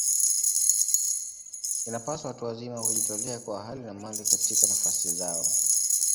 Inapaswa watu wazima kujitolea kwa hali na mali katika nafasi zao